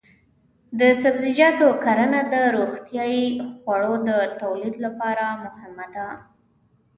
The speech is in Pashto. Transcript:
د سبزیجاتو کرنه د روغتیايي خوړو د تولید لپاره مهمه ده.